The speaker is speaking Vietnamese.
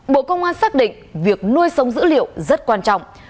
bộ công an xác định việc nuôi sống dữ liệu rất quan trọng